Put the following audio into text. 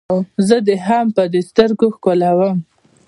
زه دې په سترګو ښکلوم.